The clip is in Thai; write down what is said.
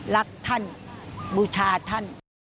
รักท่านบูชาท่าน